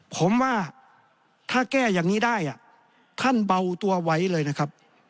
ผมว่าถ้าแก้อย่างนี้ได้ท่านเบาตัวไว้เลยนะครับ